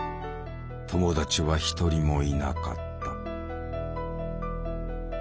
友達は一人もいなかった。